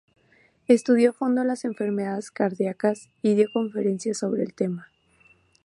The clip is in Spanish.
Estudió a fondo las enfermedades cardíacas, y dio conferencias sobre el tema.